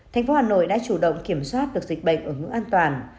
thành phố hà nội đã chủ động kiểm soát được dịch bệnh ở ngưỡng an toàn